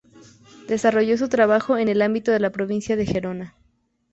Desarrolló su trabajo en el ámbito de la provincia de Gerona.